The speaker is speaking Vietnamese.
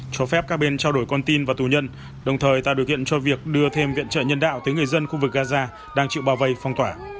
cho phép các bên trao đổi con tin và tù nhân đồng thời tạo điều kiện cho việc đưa thêm viện trợ nhân đạo tới người dân khu vực gaza đang chịu bao vây phong tỏa